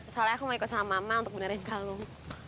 soalnya aku mau ikut sama mama untuk benerin kalung